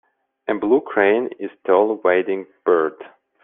A blue crane is a tall wading bird.